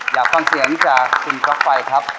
อยากฟังเสียงจากคุณก๊อปไฟครับ